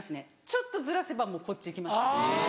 ちょっとずらせばもうこっち行きます。